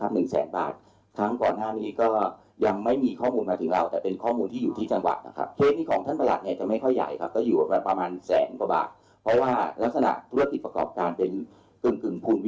เบื้องต้นนะคะแจ้งเขาหาเป็นเจ้าพนักงาน